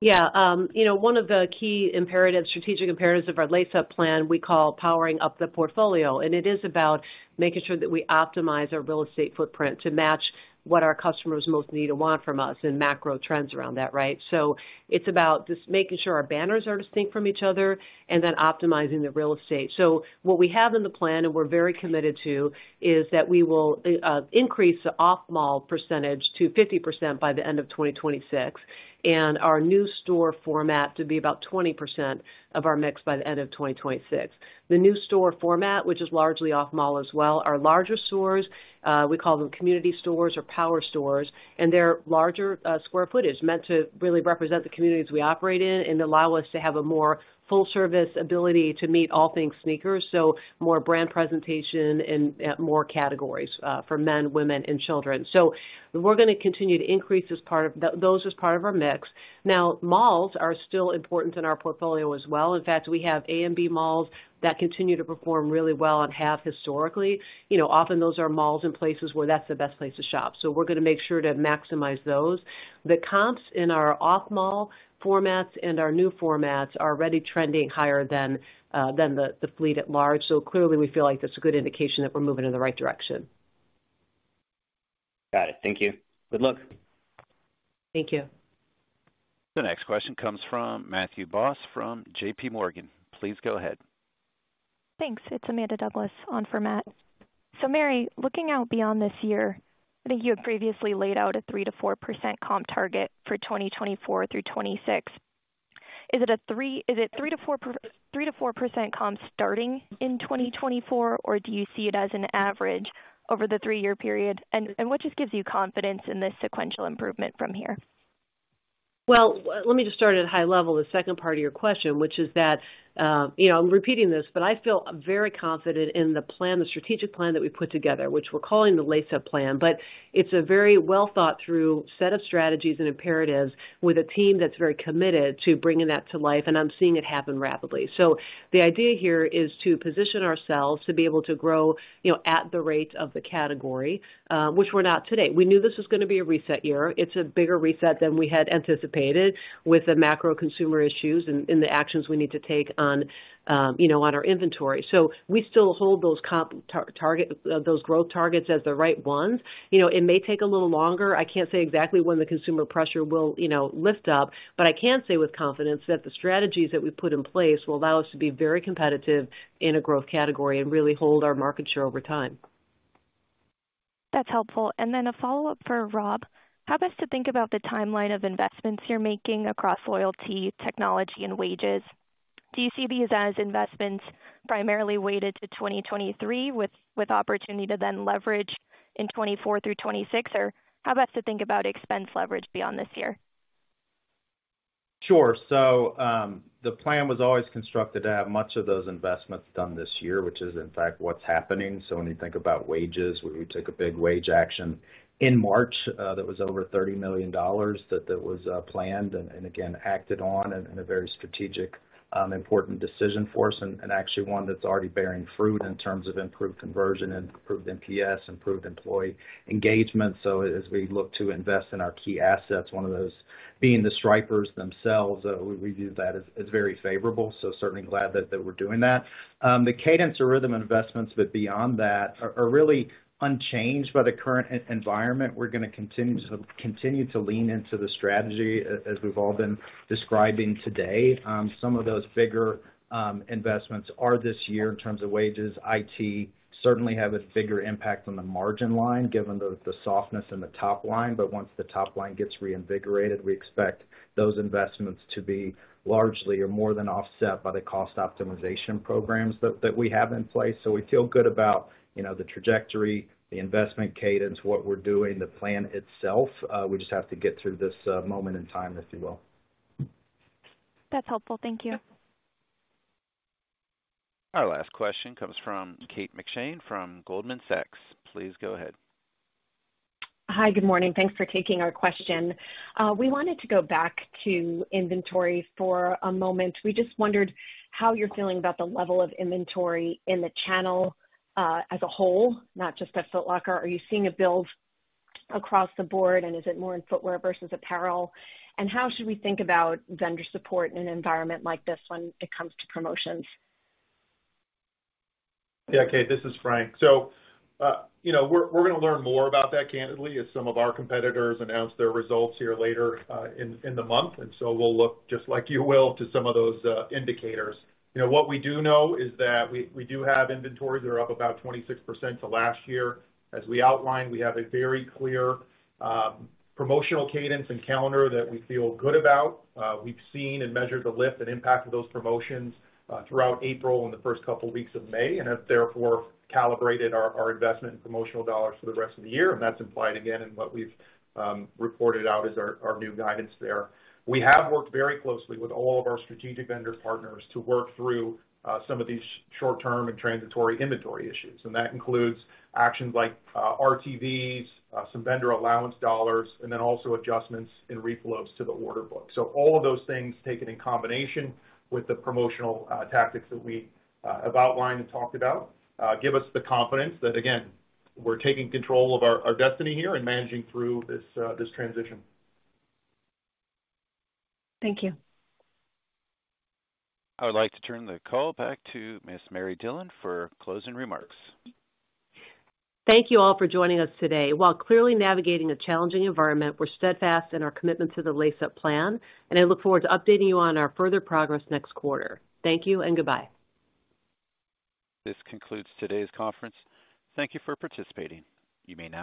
Yeah. You know, one of the key imperative, strategic imperatives of our Lace Up Plan we call powering up the portfolio, and it is about making sure that we optimize our real estate footprint to match what our customers most need and want from us and macro trends around that, right? It's about just making sure our banners are distinct from each other and then optimizing the real estate. What we have in the plan, and we're very committed to, is that we will increase the off mall percentage to 50% by the end of 2026, and our new store format to be about 20% of our mix by the end of 2026. The new store format, which is largely off mall as well, are larger stores, we call them community stores or power stores, and they're larger square footage meant to really represent the communities we operate in and allow us to have a more full service ability to meet all things sneakers, so more brand presentation and more categories for men, women, and children. We're gonna continue to increase those as part of our mix. Malls are still important in our portfolio as well. We have A and B malls that continue to perform really well and have historically. You know, often those are malls in places where that's the best place to shop. We're gonna make sure to maximize those. The comps in our off mall formats and our new formats are already trending higher than the fleet at large. Clearly, we feel like that's a good indication that we're moving in the right direction. Got it. Thank you. Good luck. Thank you. The next question comes from Matthew Boss from JP Morgan. Please go ahead. Thanks. It's Amanda Douglas on for Matt. Mary, looking out beyond this year, I think you had previously laid out a 3-4% comp target for 2024 through 2026. Is it 3-4% comp starting in 2024, or do you see it as an average over the three-year period? And what just gives you confidence in this sequential improvement from here? Let me just start at a high level, the second part of your question, which is that, you know, I'm repeating this, but I feel very confident in the plan, the strategic plan that we put together, which we're calling the Lace Up Plan. It's a very well thought through set of strategies and imperatives with a team that's very committed to bringing that to life, and I'm seeing it happen rapidly. The idea here is to position ourselves to be able to grow, you know, at the rate of the category, which we're not today. We knew this was gonna be a reset year. It's a bigger reset than we had anticipated with the macro consumer issues and the actions we need to take on, you know, on our inventory. We still hold those comp target, those growth targets as the right ones. You know, it may take a little longer. I can't say exactly when the consumer pressure will, you know, lift up, but I can say with confidence that the strategies that we've put in place will allow us to be very competitive in a growth category and really hold our market share over time. That's helpful. A follow-up for Rob. How best to think about the timeline of investments you're making across loyalty, technology, and wages? Do you see these as investments primarily weighted to 2023 with opportunity to then leverage in 2024-2026? How best to think about expense leverage beyond this year? Sure. The plan was always constructed to have much of those investments done this year, which is in fact what's happening. When you think about wages, we took a big wage action in March, that was over $30 million that was planned and again, acted on in a very strategic, important decision for us and actually one that's already bearing fruit in terms of improved conversion and improved NPS, improved employee engagement. As we look to invest in our key assets, one of those being the Stripers themselves, we view that as very favorable. Certainly glad that we're doing that. The cadence or rhythm investments but beyond that are really unchanged by the current environment. We're gonna continue to lean into the strategy as we've all been describing today. Some of those bigger investments are this year in terms of wages. IT certainly have a bigger impact on the margin line given the softness in the top line. Once the top line gets reinvigorated, we expect those investments to be largely or more than offset by the cost optimization programs that we have in place. We feel good about, you know, the trajectory, the investment cadence, what we're doing, the plan itself. We just have to get through this moment in time, if you will. That's helpful. Thank you. Our last question comes from Kate McShane from Goldman Sachs. Please go ahead. Hi. Good morning. Thanks for taking our question. We wanted to go back to inventory for a moment. We just wondered how you're feeling about the level of inventory in the channel, as a whole, not just at Foot Locker. Are you seeing a build across the board, and is it more in footwear versus apparel? How should we think about vendor support in an environment like this when it comes to promotions? Yeah, Kate, this is Frank. You know, we're gonna learn more about that candidly as some of our competitors announce their results here later in the month. We'll look, just like you will, to some of those indicators. You know, what we do know is that we do have inventories that are up about 26% to last year. As we outlined, we have a very clear promotional cadence and calendar that we feel good about. We've seen and measured the lift and impact of those promotions throughout April and the first couple weeks of May, and have therefore calibrated our investment in promotional dollars for the rest of the year. That's implied again in what we've reported out as our new guidance there. We have worked very closely with all of our strategic vendor partners to work through, some of these short term and transitory inventory issues. That includes actions like, RTVs, some vendor allowance dollars, and then also adjustments in reflows to the order book. All of those things taken in combination with the promotional, tactics that we have outlined and talked about, give us the confidence that, again, we're taking control of our destiny here and managing through this transition. Thank you. I would like to turn the call back to Ms. Mary Dillon for closing remarks. Thank you all for joining us today. While clearly navigating a challenging environment, we're steadfast in our commitment to the Lace Up Plan, I look forward to updating you on our further progress next quarter. Thank you and goodbye. This concludes today's conference. Thank you for participating. You may now disconnect.